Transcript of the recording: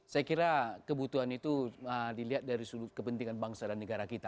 saya kira kebutuhan itu dilihat dari sudut kepentingan bangsa dan negara kita